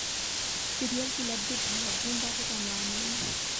Serial কিলারদের ধরার জন্য তাকে কেন আনলেন?